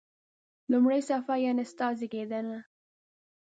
لومړی صفحه: یعنی ستا زیږېدنه.